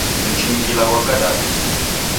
Mchinjila ghwa kadadu